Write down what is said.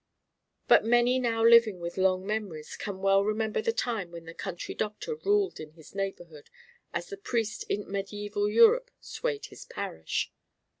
But many now living with long memories can well remember the time when the country doctor ruled in his neighborhood as the priest in mediæval Europe swayed his parish.